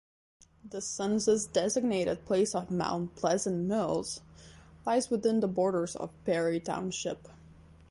The census-designated place of Mount Pleasant Mills lies within the borders of Perry Township.